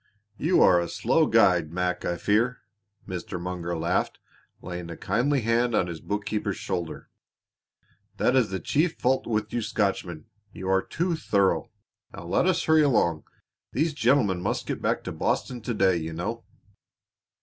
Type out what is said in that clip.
"You are a slow guide, Mac, I fear," Mr. Munger laughed, laying a kindly hand on his bookkeeper's shoulder. "That is the chief fault with you Scotchmen you are too thorough. Now let us hurry along. These gentlemen must get back to Boston to day, you know."